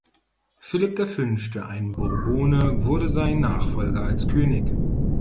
Philipp der Fünfte, ein Bourbone, wurde sein Nachfolger als König.